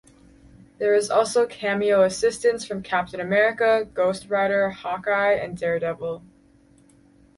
There is also cameo assistance from Captain America, Ghost Rider, Hawkeye, and Daredevil.